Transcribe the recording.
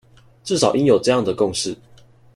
至少應有這樣的共識